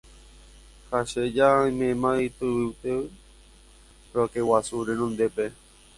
ha che ja aiméma tyvyty rokẽguasu renondépe.